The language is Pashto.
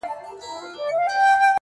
ورور مي دی هغه دی ما خپله وژني.